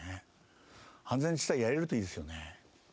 安全地帯やれるといいですよね。